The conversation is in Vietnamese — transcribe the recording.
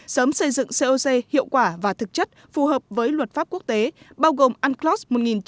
sớm xây dựng coc hiệu quả và thực chất phù hợp với luật pháp quốc tế bao gồm unclos một nghìn chín trăm tám mươi hai